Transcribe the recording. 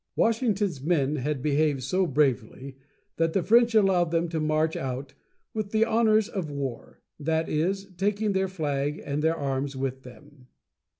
Washington's men had behaved so bravely that the French allowed them to march out with the honors of war; that is, taking their flag and their arms with them.